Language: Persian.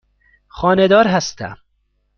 خانه دار هستم.